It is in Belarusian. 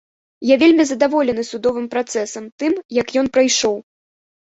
Я вельмі задаволены судовым працэсам, тым, як ён прайшоў.